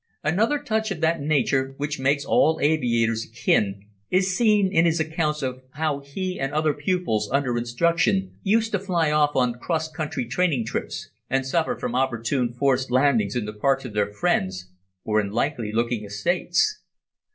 Another touch of that nature which makes all aviators akin is seen in his accounts of how he and other pupils under instruction used to fly off on cross country training trips and suffer from opportune forced landings in the parks of their friends or in likely looking estates.